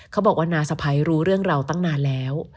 เขาบอกว่าน้าสะพ้ายรู้เรื่องเราตั้งนานแล้ว